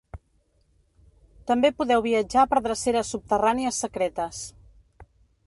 També podeu viatjar per dreceres subterrànies secretes.